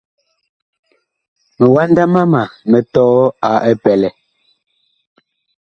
Miwanda mama mi tɔɔ a epɛlɛ.